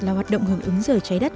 là hoạt động hưởng ứng giờ trái đất